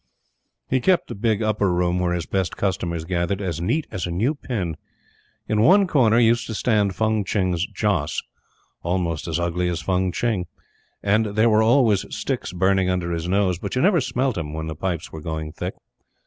He kept the big upper room, where his best customers gathered, as neat as a new pin. In one corner used to stand Fung Tching's Joss almost as ugly as Fung Tching and there were always sticks burning under his nose; but you never smelt 'em when the pipes were going thick.